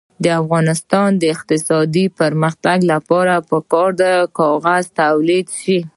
د افغانستان د اقتصادي پرمختګ لپاره پکار ده چې کاغذ تولید شي.